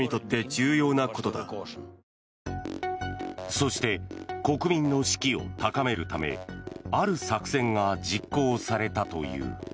そして国民の士気を高めるためある作戦が実行されたという。